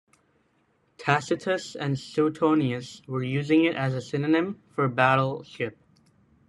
Tacitus and Suetonius were using it as a synonym for battle ship.